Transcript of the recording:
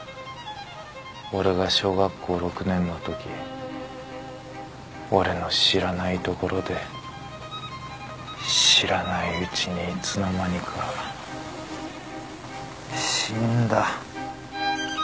俺が小学校６年のとき俺の知らない所で知らないうちにいつの間にか死んだ。